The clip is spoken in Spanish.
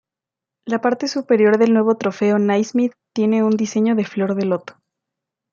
La parte superior del nuevo Trofeo Naismith tiene un diseño de flor de loto.